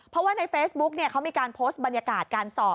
เพราะว่าในเฟซบุ๊กเขามีการโพสต์บรรยากาศการสอบ